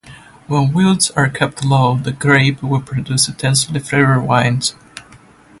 When yields are kept low, the grape will produce intensely flavored wines.